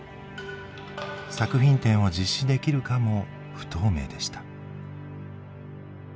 作品展を実施できるかも不透明でした。